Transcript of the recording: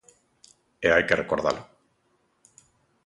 E hai que recordalo.